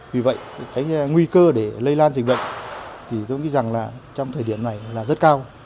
vì vậy nguy cơ để lây lan dịch bệnh trong thời điểm này rất cao